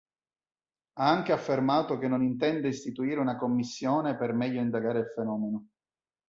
Ha anche affermato che non intende istituire una commissione per meglio indagare il fenomeno.